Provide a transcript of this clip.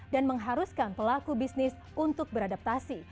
dan mengharuskan pelaku bisnis untuk beradaptasi